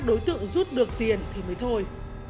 đối tượng rút được tiền thì mới thôi